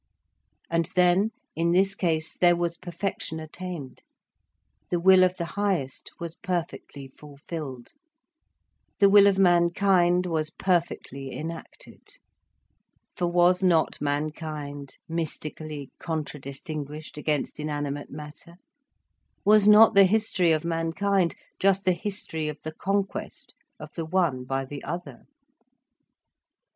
And then, in this case there was perfection attained, the will of the highest was perfectly fulfilled, the will of mankind was perfectly enacted; for was not mankind mystically contra distinguished against inanimate Matter, was not the history of mankind just the history of the conquest of the one by the other?